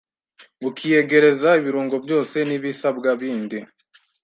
ukiyegereza ibirungo byose n’ibisabwa bindi.